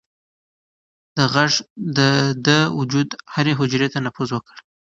غږ د ده د وجود هرې حجرې ته نفوذ وکړ.